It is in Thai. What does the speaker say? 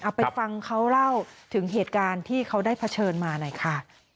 ไปฟังเขาเล่าถึงเหตุการณ์ที่เขาได้เผชิญมาหน่อยค่ะ